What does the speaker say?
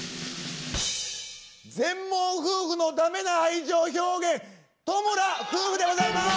全盲夫婦のだめな愛情表現戸村夫婦でございます！